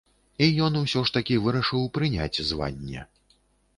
І ён усё ж такі вырашыў прыняць званне.